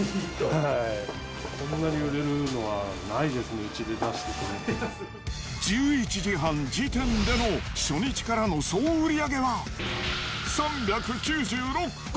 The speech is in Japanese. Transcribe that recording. こんなに売れるのはないですね、１１時半時点での初日からの総売り上げは、３９６個。